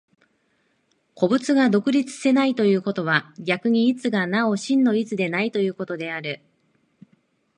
個物が独立せないということは、逆に一がなお真の一でないということである。